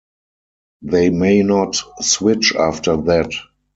They may not switch after that.